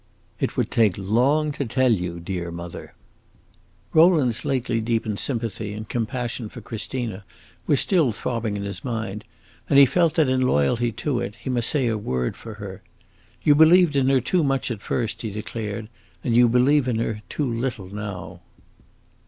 "It would take long to tell you, dear mother!" Rowland's lately deepened sympathy and compassion for Christina was still throbbing in his mind, and he felt that, in loyalty to it, he must say a word for her. "You believed in her too much at first," he declared, "and you believe in her too little now."